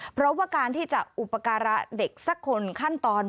เพราะว่าการที่จะอุปการะเด็กสักคนขั้นตอน